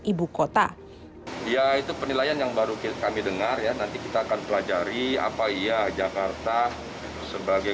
ibukota ya itu penilaian yang baru kami dengar ya nanti kita akan pelajari apa iya jakarta sebagai